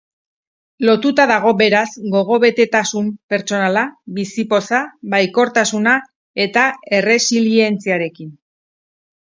Lotuta dago beraz gogobetetasun pertsonala, bizipoza, baikortasuna eta erresilientziarekin.